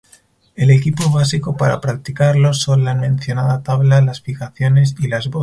El equipo básico para practicarlo son la mencionada tabla, las fijaciones y las botas.